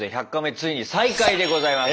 ついに再開でございます。